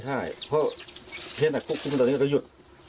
เพราะเพียงแต่ควบคุมตัวเองก็จะหยุด